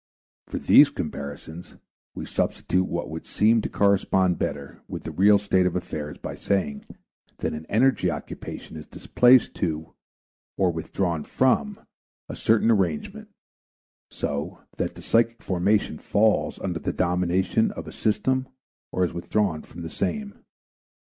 For these comparisons we substitute what would seem to correspond better with the real state of affairs by saying that an energy occupation is displaced to or withdrawn from a certain arrangement so that the psychic formation falls under the domination of a system or is withdrawn from the same.